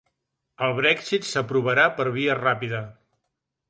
El Brexit s'aprovarà per via ràpida